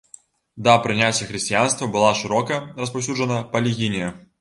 Да прыняцця хрысціянства была шырока распаўсюджана палігінія.